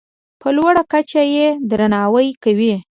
په لوړه کچه یې درناوی کوي.